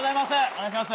お願いします。